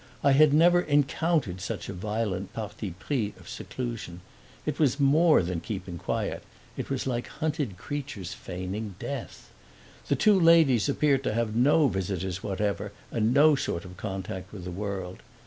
I had never encountered such a violent parti pris of seclusion; it was more than keeping quiet it was like hunted creatures feigning death. The two ladies appeared to have no visitors whatever and no sort of contact with the world.